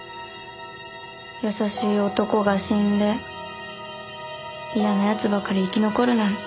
優しい男が死んで嫌な奴ばかり生き残るなんて。